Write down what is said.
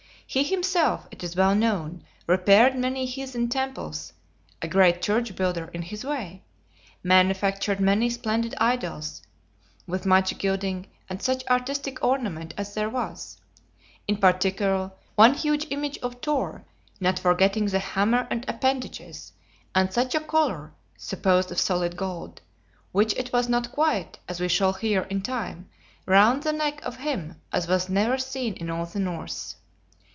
He himself, it is well known, repaired many heathen temples (a great "church builder" in his way!), manufactured many splendid idols, with much gilding and such artistic ornament as there was, in particular, one huge image of Thor, not forgetting the hammer and appendages, and such a collar (supposed of solid gold, which it was not quite, as we shall hear in time) round the neck of him as was never seen in all the North.